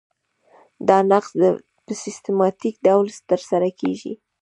دا نقض په سیستماتیک ډول ترسره کیږي.